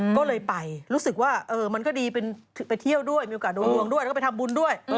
ก็เลยไปรู้สึกว่ามันก็ดีไปเที่ยวด้วยมีโอกาสดูดวงด้วยแล้วก็ไปทำบุญด้วย